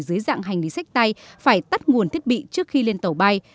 dưới dạng hành lý sách tay phải tắt nguồn thiết bị trước khi lên tàu bay